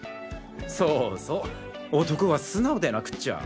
そうそう男は素直でなくっちゃ。